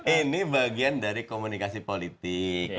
ini bagian dari komunikasi politik